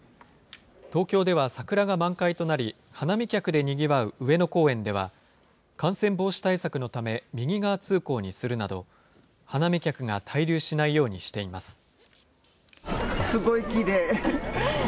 東京では桜が満開となり、花見客でにぎわう上野公園では、感染防止対策のため、右側通行にするなど、花見客が滞留しないようにしています。